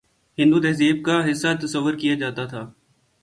ہندو تہذیب کا حصہ تصور کیا جاتا تھا